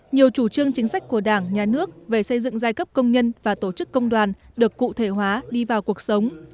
nhiều chủ trương chính sách của đảng nhà nước về xây dựng giai cấp công nhân và tổ chức công đoàn được cụ thể hóa đi vào cuộc sống